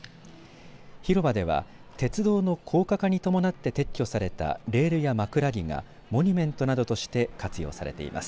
広場では鉄道の高架化に伴って撤去されたレールや枕木がモニュメントなどとして活用されています。